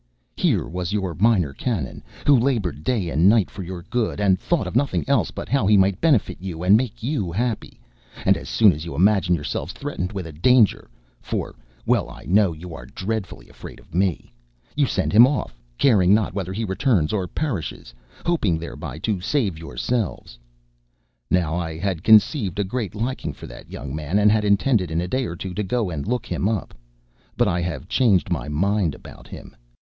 Here was your Minor Canon, who labored day and night for your good, and thought of nothing else but how he might benefit you and make you happy; and as soon as you imagine yourselves threatened with a danger,—for well I know you are dreadfully afraid of me,—you send him off, caring not whether he returns or perishes, hoping thereby to save yourselves. Now, I had conceived a great liking for that young man, and had intended, in a day or two, to go and look him up. But I have changed my mind about him.